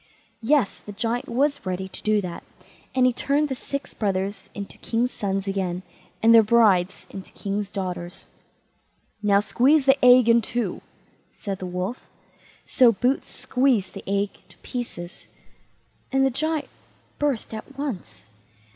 Yes, the Giant was ready to do that, and he turned the six brothers into king's sons again, and their brides into king's daughters. "Now, squeeze the egg in two", said the Wolf. So Boots squeezed the egg to pieces, and the Giant burst at once.